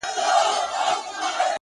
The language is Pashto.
• زموږ پر زخمونو یې همېش زهرپاشي کړې ده؛